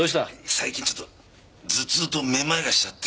最近ちょっと頭痛とめまいがしちゃって。